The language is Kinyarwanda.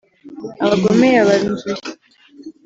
abagome yabanzuye